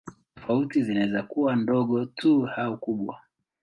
Tofauti zinaweza kuwa ndogo tu au kubwa.